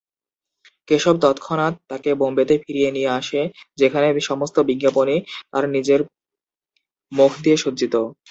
কেশব তৎক্ষণাৎ তাকে বোম্বেতে ফিরিয়ে নিয়ে আসে, যেখানে সমস্ত বিজ্ঞাপনী তার নিজের মুখ দিয়ে সজ্জিত।